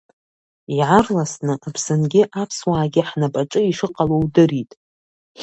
Иаарласны Аԥсынгьы аԥсуаагьы ҳнапаҿы ишыҟало удырит.